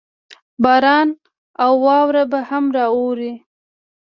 باران او واوره به هم راووري.